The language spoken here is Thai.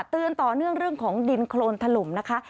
เตือนต่อเนื่องเรื่องของดินโครนถล่มนะคะ